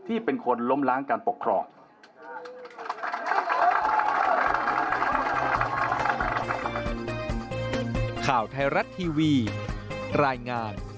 เป็นคนล้มล้างการปกครอง